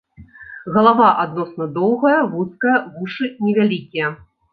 Галава адносна доўгая, вузкая, вушы невялікія.